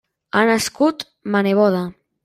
Ha nascut ma neboda.